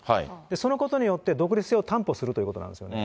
そのことによって独立性を担保することになりますよね。